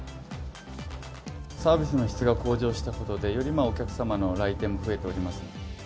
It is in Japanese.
サービスの質が向上したことで、よりお客様の来店も増えております。